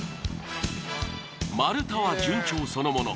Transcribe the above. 丸太は順調そのもの